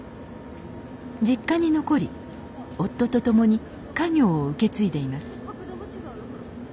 実家に残り夫と共に家業を受け継いでいます